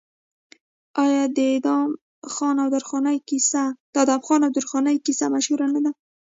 آیا د ادم خان او درخانۍ کیسه مشهوره نه ده؟